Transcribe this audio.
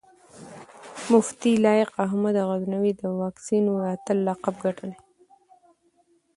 مفتي لائق احمد غزنوي د واکسينو د اتل لقب ګټلی